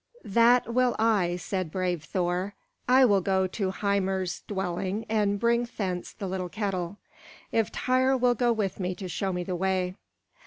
"That will I," said brave Thor. "I will go to Hymir's dwelling and bring thence the little kettle, if Tŷr will go with me to show me the way."